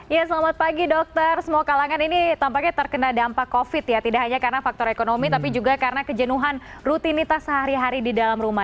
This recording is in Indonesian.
ya selamat pagi dokter semua kalangan ini tampaknya terkena dampak covid ya tidak hanya karena faktor ekonomi tapi juga karena kejenuhan rutinitas sehari hari di dalam rumah